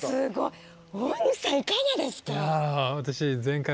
大西さんいかがですか？